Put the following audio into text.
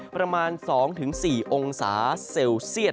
ประมาณ๒๔องศาเซลเซียต